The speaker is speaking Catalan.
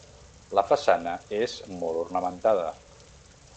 La façana és molt ornamentada.